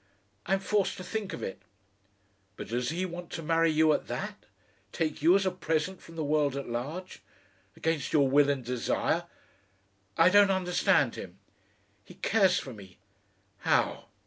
"I'm forced to think of it." "But does he want to marry you at that? Take you as a present from the world at large? against your will and desire?... I don't understand him." "He cares for me." "How?"